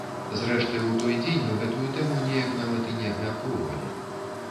Зрэшты, у той дзень мы гэтую тэму неяк нават і не абмяркоўвалі.